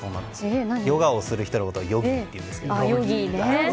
ヨガをする人のことをヨギーというんですけど。